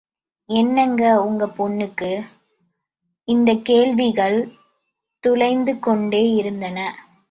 என்னங்க உங்க பெண்ணுக்கு? இந்தக் கேள்விகள் துளைத்துக்கொண்டே இருந்தன.